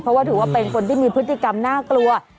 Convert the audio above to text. เพราะว่าถือว่าเป็นคนที่มีพฤติกรรมน่ากลัว